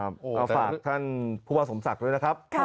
เอาฝากท่านผู้ว่าสมศักดิ์ด้วยนะครับ